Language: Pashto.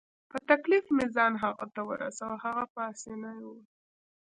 په تکلیف مې ځان هغه ته ورساوه، هغه پاسیني وو.